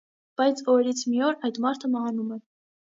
Բայց օրերից մի օր այդ մարդը մահանում է։